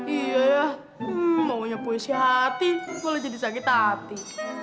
iya maunya puisi hati boleh jadi sakit hati